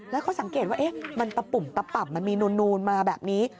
แล้วก็สังเกตว่ามันปุ่มปับมันมีนูนมาแบบนี้